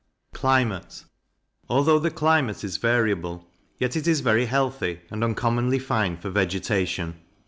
Climate. Although the climate is variable, yet it is very healthy, and uncommonly fine for vegetation.